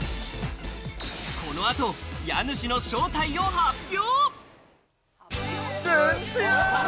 この後、家主の正体を発表。